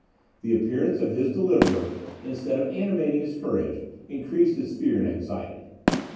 The appearance of his deliverer, instead of animating his courage, increased his fear and anxiety.